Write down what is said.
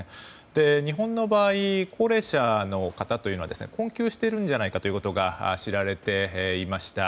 日本の場合高齢者の方というのは困窮しているんじゃないかということが知られていました。